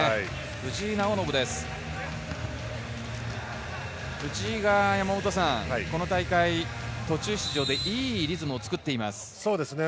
藤井が山本さん、この大会、途中出場でいいリズムを作っています。